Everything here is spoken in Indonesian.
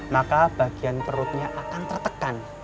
maka bagian perutnya akan tertekan